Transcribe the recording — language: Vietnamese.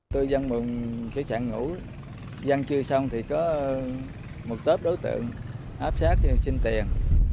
tôi văn mừng sản ngủ văn chưa xong thì có một tớp đối tượng áp sát xin tiền